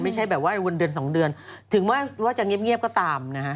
ไม่ใช่แบบว่าวันเดือนสองเดือนถึงว่าจะเงียบก็ตามนะฮะ